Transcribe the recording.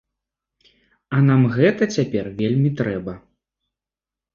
А нам гэта цяпер вельмі трэба.